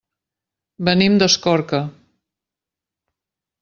Venim d'Escorca.